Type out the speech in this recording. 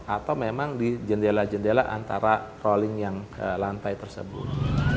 atau memang di jendela jendela antara rolling yang ke lantai tersebut